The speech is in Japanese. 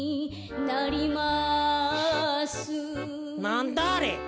なんだあれ？